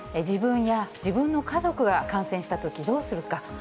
自分や自分の家族が感染したときどうするか。